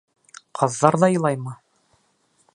— Ҡаҙҙар ҙа илаймы?